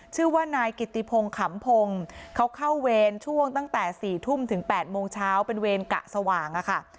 ชื่อว่านายกิติพงศ์ขำพงศ์เขาเข้าเวรช่วงตั้งแต่๔ทุ่มถึง๘โมงเช้าเป็นเวรกะสว่างอะค่ะ